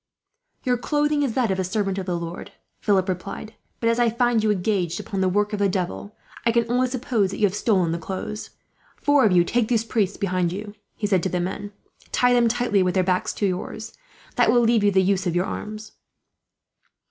"Your clothing is that of a servant of the Lord," Philip replied; "but as I find you engaged upon the work of the devil, I can only suppose that you have stolen the clothes. "Four of you take these priests behind you," he said to his men; "tie them tightly, with their backs to yours. That will leave you the use of your arms.